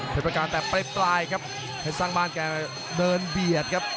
เป็นประการแต่ปลายครับเพชรสร้างบ้านแกเดินเบียดครับ